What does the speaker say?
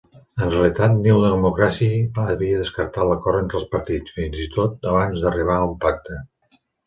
En realitat, New Democracy havia descartat l"acord entre partits, fins-i-tot abans d"arribar a un pacte.